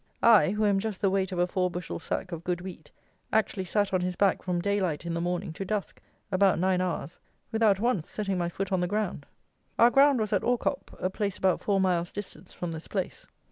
I, who am just the weight of a four bushel sack of good wheat, actually sat on his back from daylight in the morning to dusk (about nine hours) without once setting my foot on the ground. Our ground was at Orcop, a place about four miles' distance from this place.